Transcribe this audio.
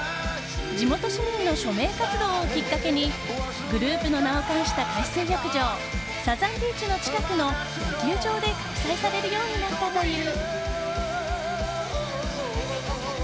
地元市民の署名活動をきっかけにグループの名を冠した海水浴場サザンビーチの近くの野球場で開催されるようになったという。